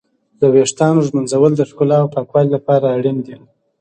د ويښتانو ږمنځول د ښکلا او پاکوالي لپاره اړين دي.